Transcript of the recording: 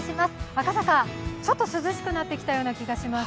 赤坂、ちょっと涼しくなってきたような気がします。